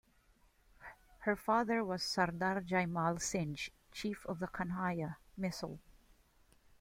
Her father was Sardar Jaimal Singh, chief of the Kanhaiya Misl.